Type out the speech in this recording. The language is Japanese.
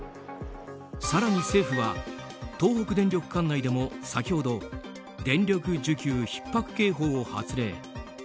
更に政府は東北電力管内でも先ほど電力需給ひっ迫警報を発令。